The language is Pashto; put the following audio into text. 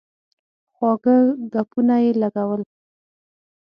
خواږه ګپونه یې لګول.